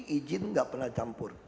ijin tidak pernah campur